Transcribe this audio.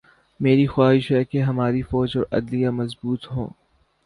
میری خواہش ہے کہ ہماری فوج اور عدلیہ مضبوط ہوں۔